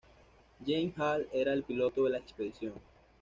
James Hall era el piloto de la expedición.